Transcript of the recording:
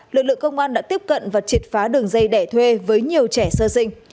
lực lượng công an đã tiếp cận và triệt phá đường dây đẻ thuê với nhiều trẻ sơ sinh